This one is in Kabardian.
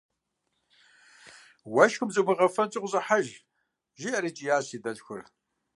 – Уэшхым зумыгъэуфэнщӀу къыщӀыхьэж, - жиӏэри кӏиящ си дэлъхур.